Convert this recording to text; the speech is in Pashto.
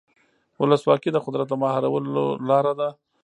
ولسواکي د قدرت د مهارولو لاره ده.